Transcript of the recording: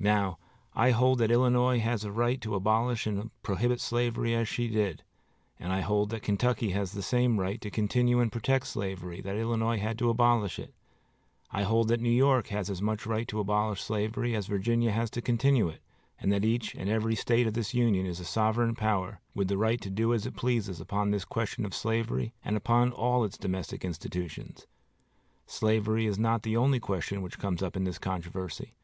Now, I hold that Illinois had a right to abolish and prohibit slavery as she did, and I hold that Kentucky has the same right to continue and protect slavery that Illinois had to abolish it. I hold that New York had as much right to abolish slavery as Virginia has to continue it, and that each and every State of this Union is a sovereign power, with the right to do as it pleases upon this question of slavery and upon all its domestic institutions. Slavery is not the only question which comes up in this controversy.